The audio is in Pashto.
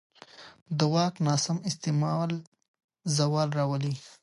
د واک ناسم استعمال زوال راولي